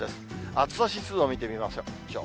暑さ指数を見てみましょう。